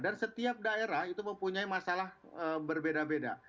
dan setiap daerah itu mempunyai masalah berbeda beda